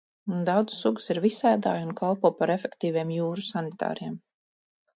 Daudzas sugas ir visēdāji un kalpo par efektīviem jūru sanitāriem.